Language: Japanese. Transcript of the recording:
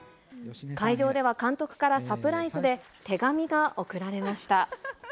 会場では、監督からサプライズで手紙が贈られました。